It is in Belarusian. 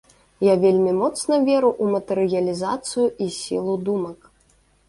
Я вельмі моцна веру ў матэрыялізацыю і сілу думак.